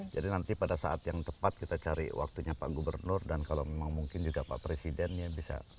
jadi nanti pada saat yang tepat kita cari waktunya pak gubernur dan kalau memang mungkin juga pak presiden ya bisa